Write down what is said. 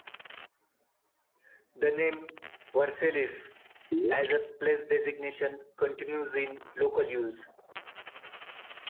The name "Versailles", as a place designation, continues in local use.